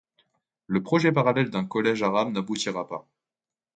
Le projet parallèle d’un collège arabe n’aboutira pas.